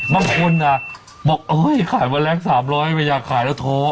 เมื่อคนบอกขายวันแรก๓๐๐ไม่อยากขายแล้วทอ